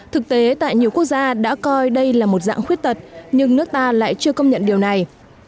thực tế tại nhiều quốc gia đã coi đây là một dạng khuyết tật nhưng nước ta lại chưa công nhận điều này